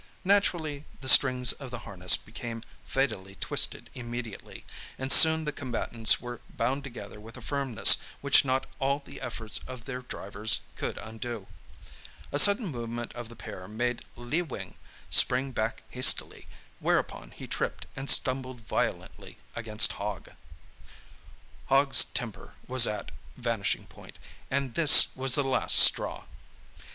Naturally, the strings of the harness became fatally twisted immediately, and soon the combatants were bound together with a firmness which not all the efforts of their drivers could undo. A sudden movement of the pair made Lee Wing spring back hastily, whereupon he tripped and stumbled violently against Hogg. Hogg's temper was at vanishing point, and this was the last straw.